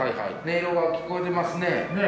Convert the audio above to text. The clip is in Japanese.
音色が聞こえてますね。